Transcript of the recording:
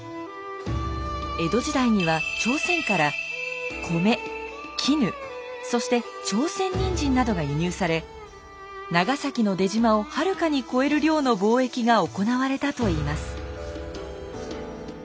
江戸時代には朝鮮から米絹そして朝鮮人参などが輸入され長崎の出島をはるかに超える量の貿易が行われたといいます。